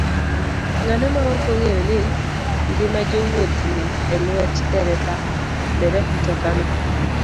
Ng'ano maok ong'eyo ni ngima jowuoth ni e lwet derep mtokano?